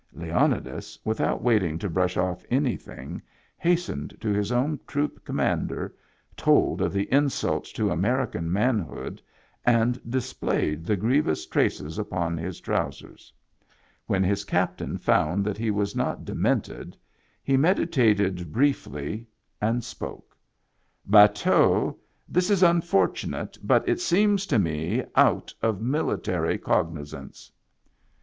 Leonidas, without waiting to brush off anything, hastened to his own troop commander, told of the insult to American manhood and dis played the grievous traces upon his trousers. When his captain found that he was not de mented, he meditated briefly and spoke. Digitized by Google no MEMBERS OF THE FAMILY '^ Bateau, this is unfortunate, but it seems to me out of military cognizance."